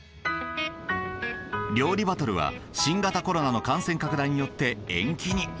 料理バトルは新型コロナの感染拡大によって延期に。